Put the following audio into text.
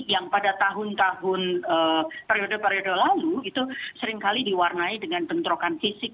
yang pada tahun tahun periode periode lalu itu seringkali diwarnai dengan bentrokan fisik